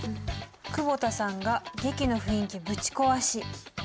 「久保田さんが劇の雰囲気ぶちこわし」。